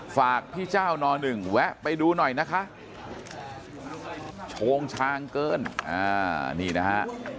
ฝากพี่เจ้านหนึ่งแวะไปดูหน่อยนะคะโชงชางเกินอ่านี่นะฮะ